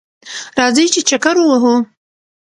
راځئ چه چکر ووهو